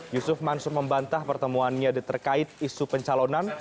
yusuf mansur membantah pertemuannya terkait isu pencalonan